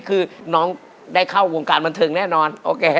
คือน้องได้เข้าวงการบันเทิงแน่นอนโอเค